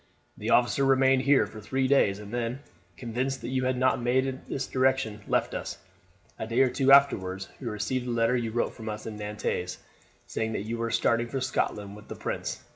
The officer remained here for three days, and then, convinced that you had not made in this direction, left us. A day or two afterwards we received the letter you wrote us from Nantes, saying that you were starting for Scotland with the prince.